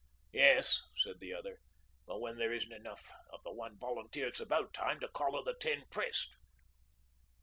'Yes,' said the other, 'but when there isn't enough of the "one volunteer" it's about time to collar the ten pressed.'